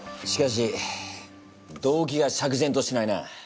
しかし動機が釈然としないな。